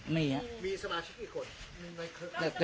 มีว่ามีสมาชะกระขวด